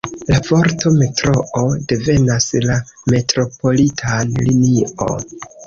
La vorto "Metroo" devenas la Metropolitan-Linio.